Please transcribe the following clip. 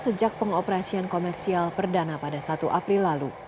sejak pengoperasian komersial perdana pada satu april lalu